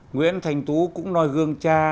nguyễn thành tú cũng nói gương cha